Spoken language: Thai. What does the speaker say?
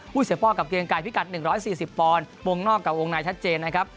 หุ้ยเสพ่อกับเกลียงไก่พิกัดหนึ่งร้อยสี่สิบพรวงนอกกับองค์นายชัดเจนนะครับ